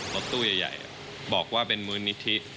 รถตู้ใหญ่บอกว่าเป็นมูลนิธิ